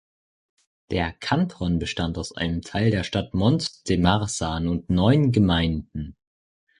Der Kanton bestand aus einem Teil der Stadt Mont-de-Marsan und neun Gemeinden.